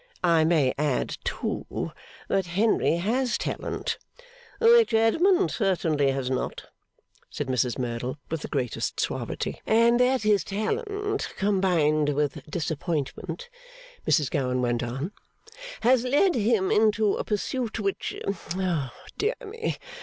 I may add, too, that Henry has talent ' 'Which Edmund certainly has not,' said Mrs Merdle, with the greatest suavity. ' and that his talent, combined with disappointment,' Mrs Gowan went on, 'has led him into a pursuit which ah dear me!